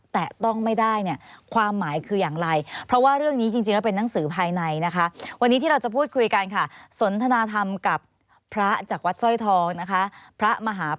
แต่ต้องไม่ได้เนี่ยความหมายคืออย่างไรเพราะว่าเรื่องนี้จริงแล้วเป็นหนังสือภายในนะคะ